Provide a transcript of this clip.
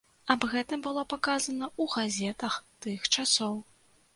Аб гэтым было паказана ў газетах тых часоў.